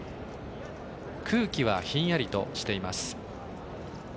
空気はひんやりとしています。